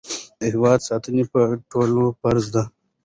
د هېواد ساتنه په ټولو فرض ده.